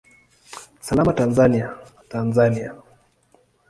Salama Tanzania, Tanzania!